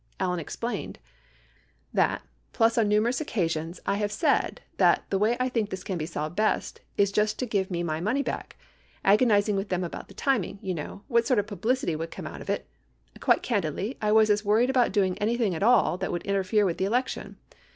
Allen explained : That, plus on numerous occasions I have said that the way I think this can be solved best is just give me my money back ; agonizing with them about the timing — you know, what sort of publicity would come out about it ; quite candidly I was as worried about doing anything at all that would interfere with the election.